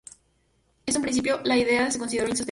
En un principio, la idea se consideró insostenible.